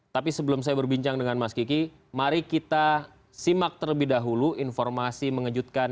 tapi sebelum saya berbincang dengan mas kiki mari kita simak terlebih dahulu informasi mengejutkan